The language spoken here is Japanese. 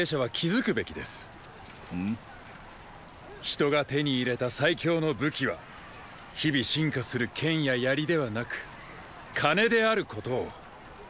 人が手に入れた最強の武器は日々進化する剣や槍ではなく“金”であることを。